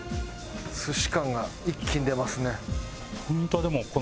寿司感が一気に出ますね。